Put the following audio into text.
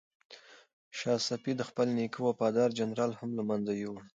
شاه صفي د خپل نیکه وفادار جنرالان هم له منځه یووړل.